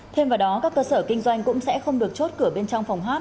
thêm vào đó các cơ sở kinh doanh cũng sẽ không được chốt cửa bên trong phòng hát